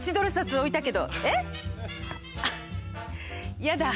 あっやだ。